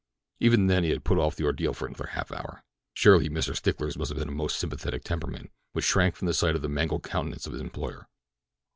Even then he had put off the ordeal for another half hour—surely Mr. Stickler's must have been a most sympathetic temperament, which shrank from the sight of the mangled countenance of his employer!